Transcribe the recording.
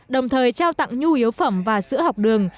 đồng thời trao tặng nhu yếu phẩm và sữa học đường